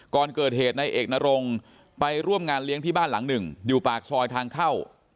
ก่อนเกิดเหตุนายเอกนรงไปร่วมงานเลี้ยงที่บ้านหลังหนึ่งอยู่ปากซอยทางเข้า